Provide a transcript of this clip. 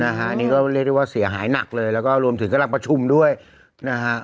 อันนี้ก็เรียกได้ว่าเสียหายหนักเลยแล้วก็รวมถึงกำลังประชุมด้วยนะฮะ